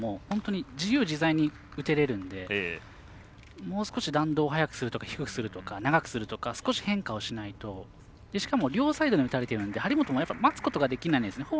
本当に自由自在に打たれてるのでもう少し弾道を高くするとか低くするとか、長くするとか少し変化をしないとしかも両サイドに打たれているので張本が待つことができないんです。